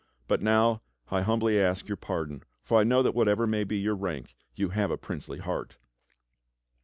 But now I humbly ask your pardon, for I know that whatever may be your rank, you have a princely heart."